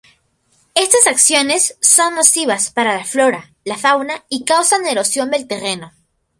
Estas acciones son nocivas para la flora, la fauna y causan erosión del terreno.